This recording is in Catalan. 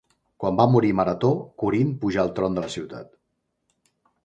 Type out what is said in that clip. Quan va morir Marató, Corint pujà al tron de la ciutat.